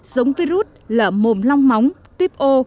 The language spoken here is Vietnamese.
giống virus lở mồm long móng tuyếp ô